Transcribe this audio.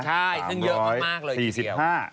ใช่ซึ่งเยอะมากเลยทีเดียว